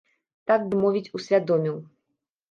Так бы мовіць, усвядоміў.